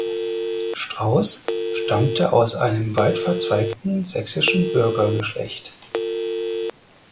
Strauß stammte aus einem weit verzweigten sächsischen Bürgergeschlecht.